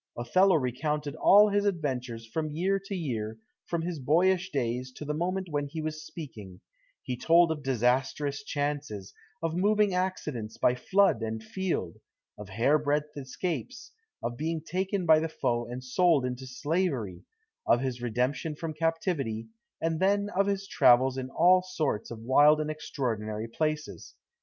Othello recounted all his adventures from year to year, from his boyish days to the moment when he was speaking; he told of disastrous chances, of moving accidents by flood and field; of hair breadth escapes; of being taken by the foe and sold into slavery; of his redemption from captivity; and then of his travels in all sorts of wild and extraordinary places.